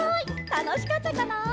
たのしかったかな？